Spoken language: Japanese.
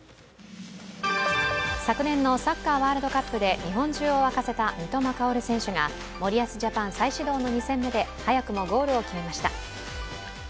昨年のサッカーワールドカップで日本中を沸かせた三笘薫選手が森保ジャパン再始動の２戦目で早くもゴールを決めました。